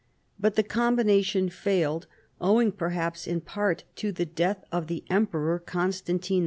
But the com bination failed, owing perhaps in part to the death of the Emperor Constantine V.